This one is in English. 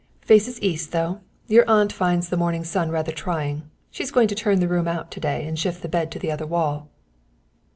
"Faces east, though; your aunt finds the morning sun rather trying. She's going to turn the room out to day and shift the bed to the other wall."